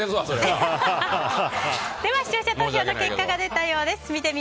では視聴者投票の結果が出たようです。